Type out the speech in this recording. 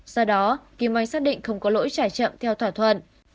sau đó kim mai xác định không có lỗi trả chậm theo thỏa thuận